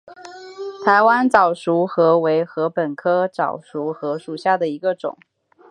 台湾早熟禾为禾本科早熟禾属下的一个种。